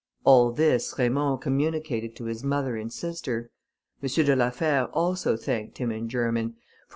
All this Raymond communicated to his mother and sister. M. de la Fère also thanked him in German, for M.